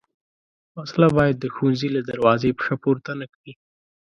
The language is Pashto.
وسله باید د ښوونځي له دروازې پښه پورته نه کړي